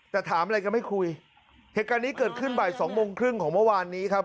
แต่ถามอะไรก็ไม่คุยเหตุการณ์นี้เกิดขึ้นบ่ายสองโมงครึ่งของเมื่อวานนี้ครับ